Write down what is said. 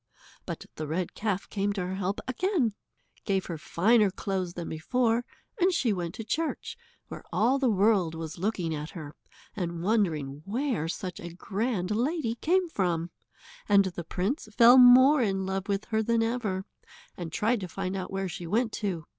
But the red calf came to her help again, gave her finer clothes than before, and she went to church, where all the world was looking at her, and wondering where such a grand lady came from, and the prince fell more in love with her than ever, and tried to find out where she went to.